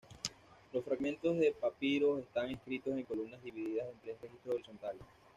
Los fragmentos de papiros están escritos en columnas divididas en tres registros horizontales.